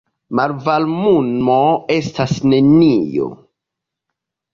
Malvarmumo estas nenio.